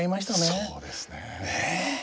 そうなんですね。